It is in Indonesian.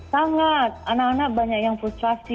sangat anak anak banyak yang frustrasi